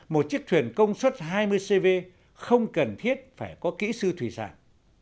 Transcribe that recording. một chiếc thuyền công suất hai mươi cv không cần thiết phải có kỹ sư thủy sản